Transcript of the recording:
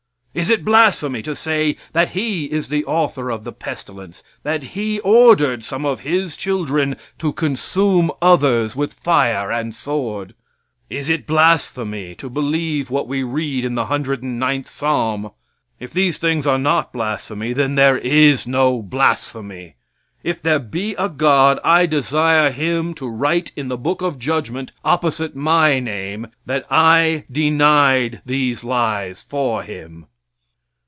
Is it blasphemy to say that He is the author of the pestilence; that He ordered some of His children to consume others with fire and sword? Is it blasphemy to believe what we read in the 109th Psalm? If these things are not blasphemy, then there is no blasphemy. If there be a God I desire Him to write in the book of judgment opposite my name that I denied these lies for Him.